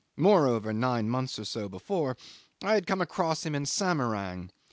Moreover, nine months or so before, I had come across him in Samarang.